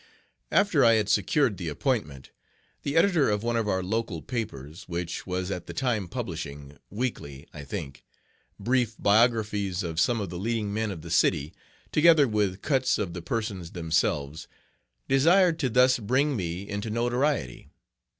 After I had secured the appointment the editor of one of our local papers, which was at the time publishing weekly, I think brief biographies of some of the leading men of the city, together with cuts of the persons themselves, desired to thus bring me into notoriety.